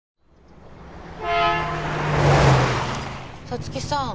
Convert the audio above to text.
五月さん